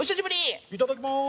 いただきまーす。